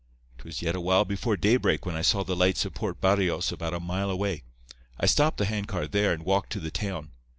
'Twas yet a while before daybreak when I saw the lights of Port Barrios about a mile away. I stopped the hand car there and walked to the town.